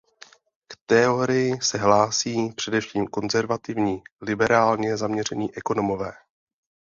K teorii se hlásí především konzervativní liberálně zaměření ekonomové.